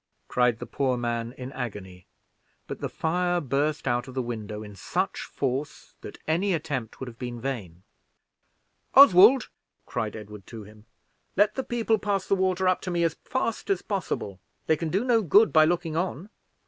cried the poor man, in agony; but the fire burst out of the window in such force, that any attempt would have been in vain. "Oswald," cried Edward to him, "let the people pass the water up to me as fast as possible. They can do no good looking on."